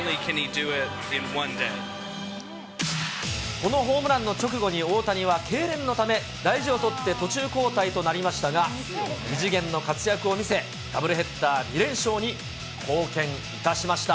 このホームランの直後に大谷はけいれんのため、大事をとって途中交代となりましたが、異次元の活躍を見せ、ダブルヘッダー２連勝に貢献いたしました。